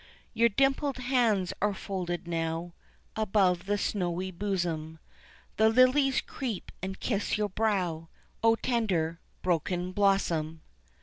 Your dimpled hands are folded now Above the snowy bosom, The lilies creep and kiss your brow, O tender broken blossom!